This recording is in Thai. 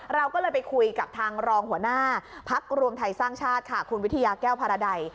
เราก็เลยไปคุยกับทางรองหัวหน้าพักรวมไทยสร้างชาติค่ะคุณวิทยาแก้วพาราใด